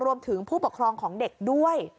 รวมถึงผู้ปกครองของเด็กด้วย